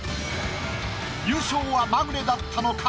優勝はマグレだったのか？